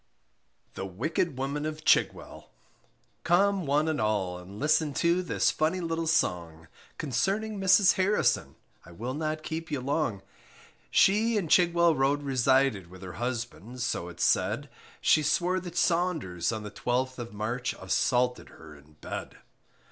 THE WICKED WOMAN OF CHIGWELL. Come one and all, and listen to This funny little song, Concerning Mrs Harrison, I will not keep you long; She in Chigwell Road resided, With her husband, so it's said, She swore that Saunders on the 12th of March, Assaulted her in bed.